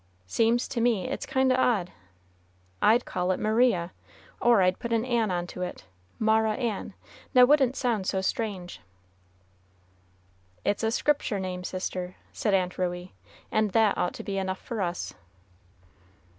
Seems to me it's kind o' odd. I'd call it Maria, or I'd put an Ann on to it. Mara ann, now, wouldn't sound so strange." "It's a Scriptur' name, sister," said Aunt Ruey, "and that ought to be enough for us."